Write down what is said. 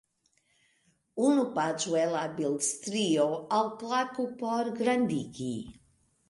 Unu paĝo el la bildstrio - alklaku por grandigi.